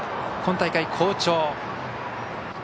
今大会、好調。